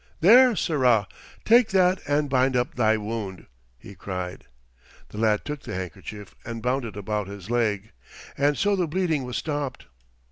"There, Sirrah! Take that and bind up thy wound!" he cried. The lad took the handkerchief and bound it about his leg, and so the bleeding was stopped.